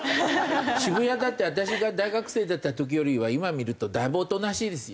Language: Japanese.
渋谷だって私が大学生だった時よりは今見るとだいぶおとなしいですよ。